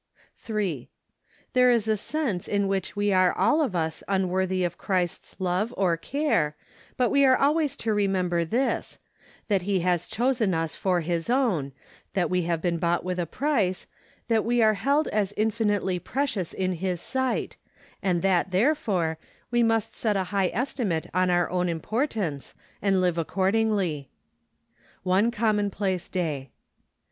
97 98 8EPTEM BEK. 3. There is a sense in which we are all of us unworthy of Christ's love or care, but we are always to remember this: that He has chosen us for His own, that we have been bought with a price, that we are held as infinitely precious in His sight, and that, therefore, we must set a high estimate on our own importance, and live accordingly. One Commonplace Day.